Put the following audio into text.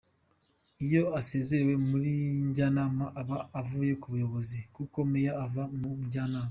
Iyo asazerewe muri njyanama aba avuye no ku buyobozi kuko Meya ava muri njyanama.